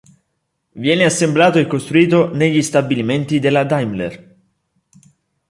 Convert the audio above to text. Viene assemblato e costruito negli stabilimenti della Daimler.